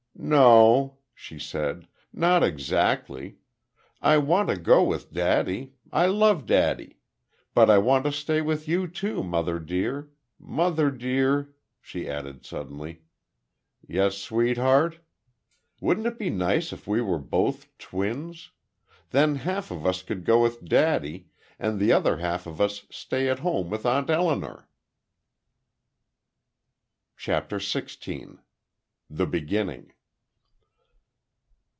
"No," she said, "not exactly.... I want to go with daddy. I love daddy. But I want to stay with you, too, mother dear.... Mother dear," she added suddenly. "Yes, sweetheart?" "Wouldn't it be nice if we were both twins! Then half of us could go with daddy, and the other half of us stay at home with Aunt Elinor." CHAPTER SIXTEEN. THE BEGINNING.